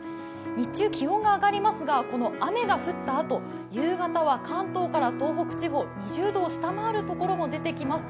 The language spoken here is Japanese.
日中気温が上がりますが雨が降ったあと夕方は関東から東北地方、２０度を下回る所も出てきます。